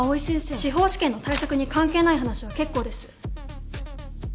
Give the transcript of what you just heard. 司法試験の対策に関係ない話は結構です。